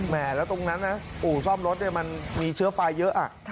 แล้วตรงนั้นนะอู่ซ่อมรถมันมีเชื้อไฟเยอะ